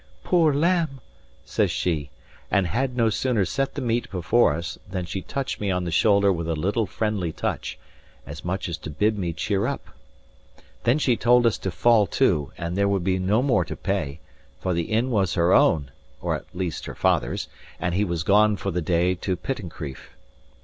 "Poor lamb!" says she, and had no sooner set the meat before us, than she touched me on the shoulder with a little friendly touch, as much as to bid me cheer up. Then she told us to fall to, and there would be no more to pay; for the inn was her own, or at least her father's, and he was gone for the day to Pittencrieff.